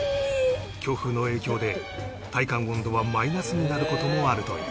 強風の影響で体感温度はマイナスになる事もあるという